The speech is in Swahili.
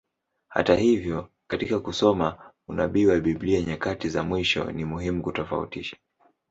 Hata hivyo, katika kusoma unabii wa Biblia nyakati za mwisho, ni muhimu kutofautisha.